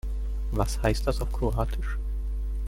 Was heißt das auf Kroatisch?